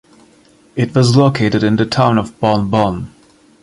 It was located in the town of Buln Buln.